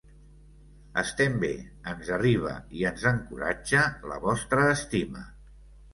Estem bé, ens arriba i ens encoratja la vostra estima.